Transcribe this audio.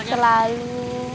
ya saya selalu